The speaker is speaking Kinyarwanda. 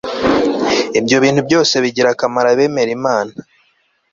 ibyo bintu byose bigirira akamaro abemera imana